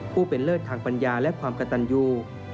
ผู้เป็นเลิศทางปัญญาและความกระตันยู